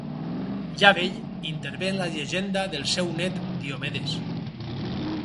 Ja vell, intervé en la llegenda del seu nét Diomedes.